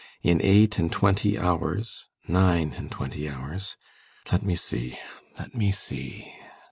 In eight and twenty hours nine and twenty hours Let me see ! Let me see